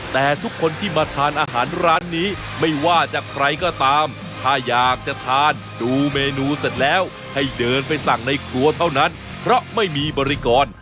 แต่ทุกคนที่มาทานอาหารร้านนี้ไม่ว่าจะใครก็ตามถ้าอยากจะทานดูเมนูเสร็จแล้วให้เดินไปสั่งในครัวเท่านั้นเพราะไม่มีบริกร